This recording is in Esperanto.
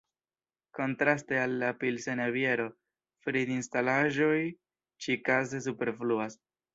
Kontraste al la pilsena biero, fridinstalaĵoj ĉi-kaze superfluas.